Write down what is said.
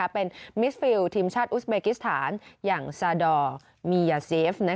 เป็นมิสฟิลทีมชาติอุสเบกิสถานอย่างซาดอร์มียาเซฟ